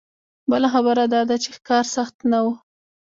بله خبره دا ده چې ښکار سخت نه و.